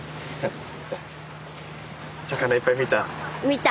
魚いっぱい見た？